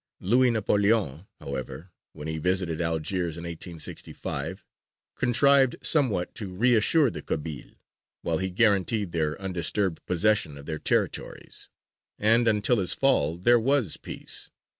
Louis Napoleon, however, when he visited Algiers in 1865, contrived somewhat to reassure the Kabyles, while he guaranteed their undisturbed possession of their territories; and until his fall there was peace.